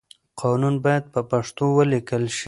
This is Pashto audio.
قانون بايد په پښتو وليکل شي.